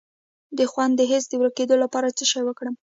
د خوند د حس د ورکیدو لپاره باید څه وکړم؟